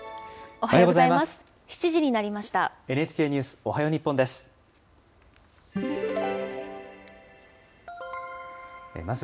おはようございます。